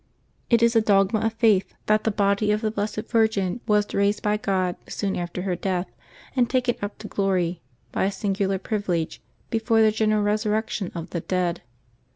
It is a traditionary pious belief, that the body of the Blessed Virgin was raised by God soon after her death, and taken up to glory, by a singular privilege, before the general resurrection of the dead.